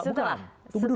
setelah jeda dulu